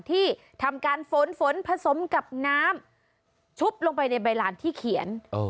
ที่ทำการฝนฝนผสมกับน้ำชุบลงไปในใบลานที่เขียน